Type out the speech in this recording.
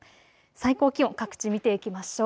最高気温、各地見ていきましょう。